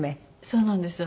そうなんです。